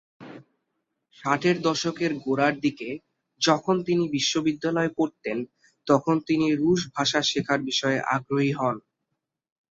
ষাটের দশকের গোড়ার দিকে যখন তিনি বিশ্ববিদ্যালয়ে পড়তেন তখন তিনি রুশ ভাষা শেখার বিষয়ে আগ্রহী হন।